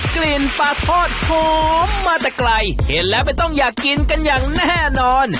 กลิ่นปลาทอดหอมมาแต่ไกลเห็นแล้วไม่ต้องอยากกินกันอย่างแน่นอน